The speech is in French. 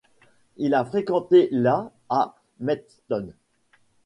Il a fréquenté la à Maidstone.